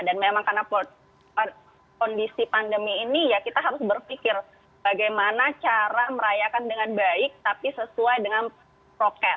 dan memang karena po po kondisi pandemi ini ya kita harus berpikir bagaimana cara merayakan dengan baik tapi sesuai dengan prokes